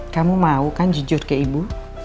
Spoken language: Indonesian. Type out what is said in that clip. kamu mau kan jujur ke ibu